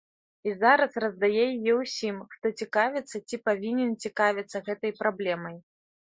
І зараз раздае яе ўсім, хто цікавіцца ці павінен цікавіцца гэтай праблемай.